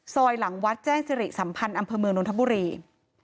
หลังวัดแจ้งสิริสัมพันธ์อำเภอเมืองนทบุรี